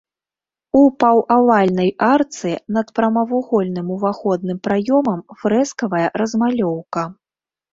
У паўавальнай арцы над прамавугольным уваходным праёмам фрэскавая размалёўка.